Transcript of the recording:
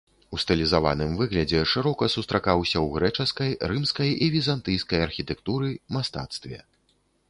У стылізаваным выглядзе шырока сустракаўся ў грэчаскай, рымскай і візантыйскай архітэктуры, мастацтве.